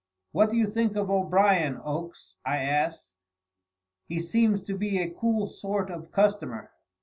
"What do you think of O'Brien, Oakes?" I asked. "He seems to be a cool sort of a customer."